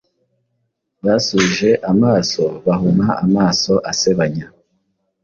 Basubije amaso bahuma amaso asebanya,